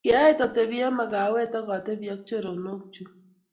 kiaet atebii Eng' mikawait akatebii ak choronk chu